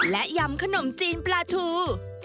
และยำขนมจีนปลาทู